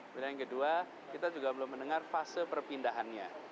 kemudian yang kedua kita juga belum mendengar fase perpindahannya